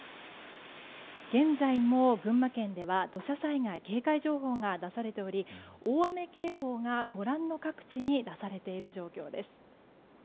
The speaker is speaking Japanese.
現在も群馬県では土砂災害警戒情報が出されており大雨警報がご覧の各地に出されている状況です。